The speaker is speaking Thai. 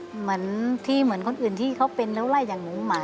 เหมือนที่เหมือนคนอื่นที่เขาเป็นแล้วไล่อย่างหนูหมา